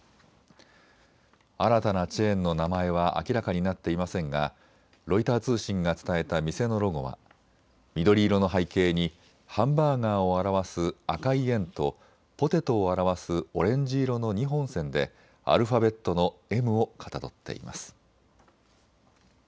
新たなチェーンの名前は明らかになっていませんがロイター通信が伝えた店のロゴは緑色の背景にハンバーガーを表す赤い円とポテトを表すオレンジ色の２本線でアルファベットのＭをかたどっています。